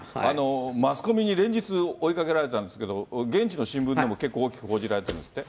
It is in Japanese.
マスコミに連日追いかけられたんですけど、現地の新聞でも結構大きく報じられてるんですって？